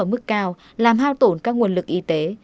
ở mức cao làm hao tổn các nguồn lực y tế